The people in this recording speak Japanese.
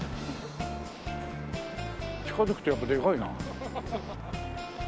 近づくとやっぱでかいな。